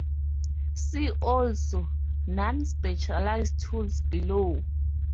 See also "non-specialised tools" below.